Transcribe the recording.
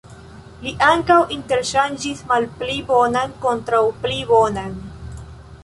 Li ankaŭ interŝanĝis malpli bonan kontraŭ pli bonan.